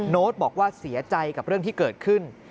โน้ตบอกว่าเสียใจกับเรื่องที่เกิดขึ้น